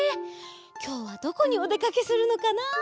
きょうはどこにおでかけするのかな。